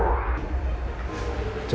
apa boleh aku